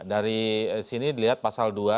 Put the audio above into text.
dari sini dilihat pasal dua